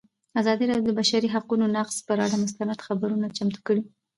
ازادي راډیو د د بشري حقونو نقض پر اړه مستند خپرونه چمتو کړې.